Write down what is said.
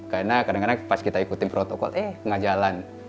karena kadang kadang pas kita ikuti protokol eh enggak jalan